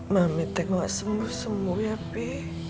mami tengok sembuh sembuh ya bi